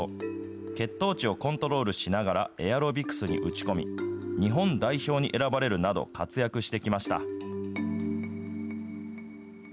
血糖値をコントロールしながらエアロビクスに打ち込み、日本代表に選ばれるなど、活躍してきました。